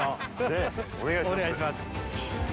お願いします。